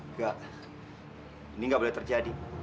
enggak ini nggak boleh terjadi